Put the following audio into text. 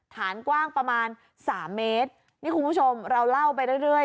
ฐานกว้างประมาณสามเมตรนี่คุณผู้ชมเราเล่าไปเรื่อยเรื่อย